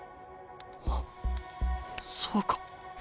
あそうか。